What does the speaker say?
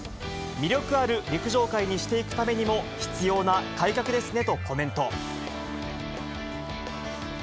魅力ある陸上界にしていくためにも必要な改革ですねとコメント。